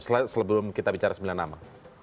sebelum kita bicara sembilan nama